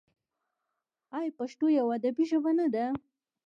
آیا پښتو یوه ادبي ژبه نه ده؟